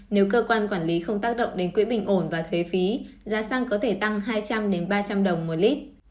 nếu cơ quan quản lý không tác động đến quỹ bình ổn và thuế phí giá xăng có thể tăng hai trăm linh ba trăm linh đồng một lít